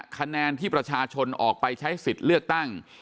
คะแนนที่ประชาชนออกไปใช้สิทธิ์เลือกตั้ง